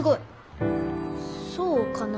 そうかな？